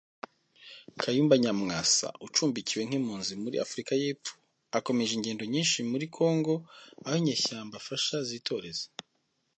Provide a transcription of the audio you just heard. Kayumba Nyamwasa Ucumbikiwe Nk’impunzi Muri Afurika Y’epfo Akomeje Ingendo Nyinshi Muri Congo Aho Inyeshyamba Afasha Zitoreza